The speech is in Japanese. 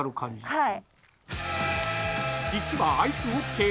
はい。